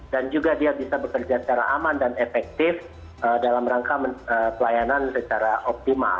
dan juga dia bisa bekerja secara aman dan efektif dalam rangka pelayanan secara optimal